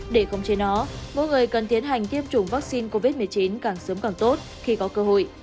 để khống chế nó mỗi người cần tiến hành tiêm chủng vaccine covid một mươi chín càng sớm càng tốt khi có cơ hội